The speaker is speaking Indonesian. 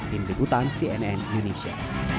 tim diputan cnn indonesia